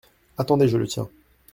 Attendez, je le tiens.